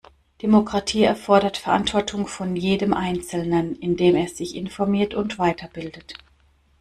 Demokratie erfordert Verantwortung von jedem einzelnen, indem er sich informiert und weiterbildet.